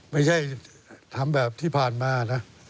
ไม่ใช่ทำแบบที่ผ่านมานะ